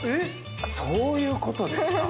そういうことですか。